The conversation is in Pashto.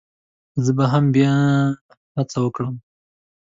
زه به بيا هم هڅه وکړم